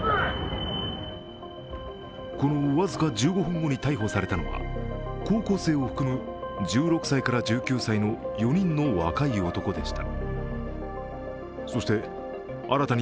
この僅か１５分後に逮捕されたのは高校生を含む１６歳から１９歳の４人の若い男でした。